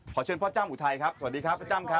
เชิญพ่อจ้ำอุทัยครับสวัสดีครับพ่อจ้ำครับ